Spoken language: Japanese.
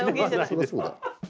そりゃそうだ。